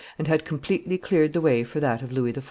and had completely cleared the way for that of Louis XIV.